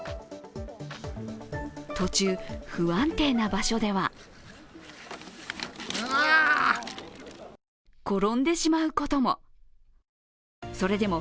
途中、不安定な場所では転んでしまうことも。